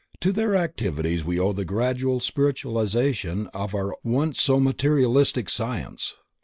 To their activities we owe the gradual spiritualization of our once so materialistic science.